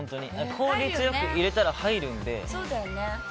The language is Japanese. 効率よく入れたら入るので。